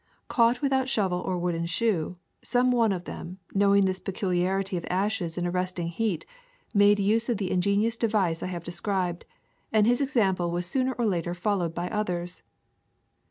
Caught without shovel or wooden shoe, some one of them, knowing this peculiarity of ashes in arresting heat, made use of the ingenious device I have de scribed, and his example was sooner or later followed by others.